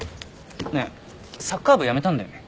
ねえサッカー部辞めたんだよね？